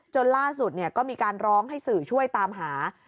ล่าสุดก็มีการร้องให้สื่อช่วยตามหา